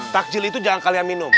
takjil itu jangan kalian minum